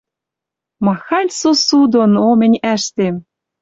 Махань сусу дон, о, мӹнь ӓштем